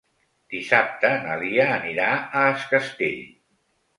Dissabte na Lia anirà a Es Castell.